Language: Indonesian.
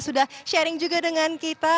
sudah sharing juga dengan kita